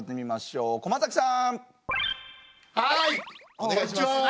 お願いします。